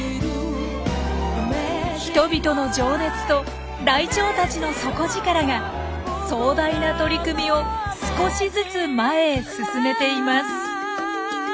人々の情熱とライチョウたちの底力が壮大な取り組みを少しずつ前へ進めています。